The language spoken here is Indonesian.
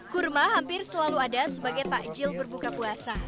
kurma hampir selalu ada sebagai takjil berbuka puasa